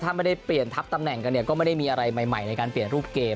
ถ้าไม่ได้เปลี่ยนทับตำแหน่งกันเนี่ยก็ไม่ได้มีอะไรใหม่ในการเปลี่ยนรูปเกม